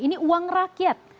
ini uang rakyat